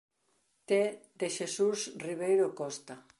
T. de Xesús Riveiro Costa.